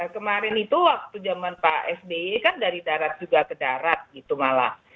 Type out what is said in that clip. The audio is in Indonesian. kemarin itu waktu zaman pak sby kan dari darat juga ke darat gitu malah